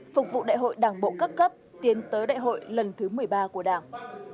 phục vụ đại hội đảng bộ cấp cấp tiến tới đại hội lần thứ một mươi ba của đảng